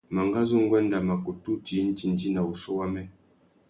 Mangazu nguêndê a mà kutu djï indjindjï na wuchiô wamê.